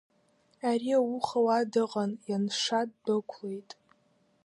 Ари ауха уа дыҟан, ианша ддәықәлеит.